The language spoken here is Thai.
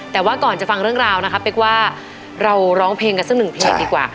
แต่ว่าก่อนจะฟังเรื่องราวนะคะเป๊กว่าเราร้องเพลงกันสักหนึ่งเพลงดีกว่า